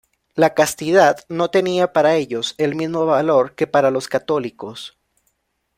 La castidad no tenía para ellos el mismo valor que para los católicos.